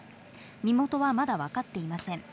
身元はまだ分かっていません。